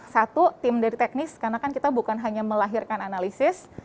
satu tim teknis karena kita bukan hanya melahirkan analisis